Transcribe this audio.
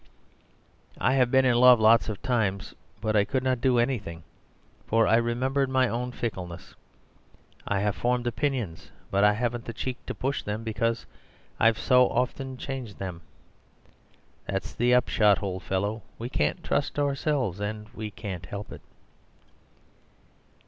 I have been in love lots of times, but I could not do anything, for I remembered my own fickleness. I have formed opinions, but I haven't the cheek to push them, because I've so often changed them. That's the upshot, old fellow. We can't trust ourselves— and we can't help it."